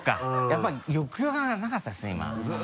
やっぱり抑揚がなかったですね